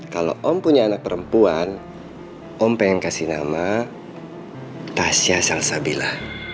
kalau om punya anak perempuan om pengen kasih nama tasya sang sabila